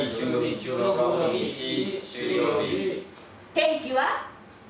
天気は？